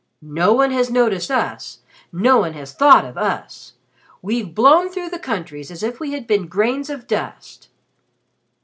No one has noticed us, no one has thought of us. We've blown through the countries as if we had been grains of dust."